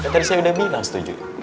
tadi saya udah bilang setuju